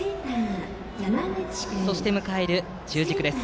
そして迎える中軸です。